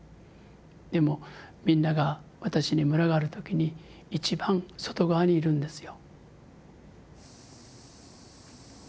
でもみんなが私に群がる時に一番外側にいるんですよ。